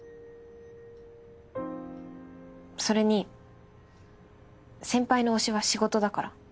それに先輩の推しは仕事だから。